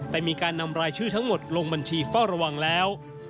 แต่มีการนำรายชื่อทั้งหมดลงบัญชีเฝ้าระวังแล้ว